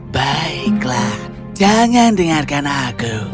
baiklah jangan dengarkan aku